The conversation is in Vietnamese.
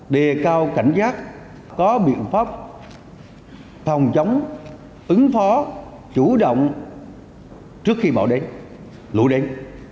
đề cao cảnh giác có biện pháp phòng chống ứng phó chủ động trước khi bão đến lũ đến